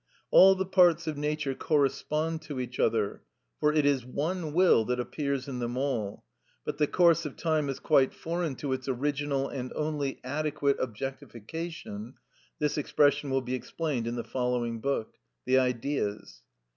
All the parts of nature correspond to each other, for it is one will that appears in them all, but the course of time is quite foreign to its original and only adequate objectification (this expression will be explained in the following book), the Ideas.